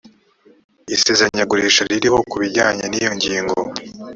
isezeranyagurisha ririho ku birebana n iyo ngingo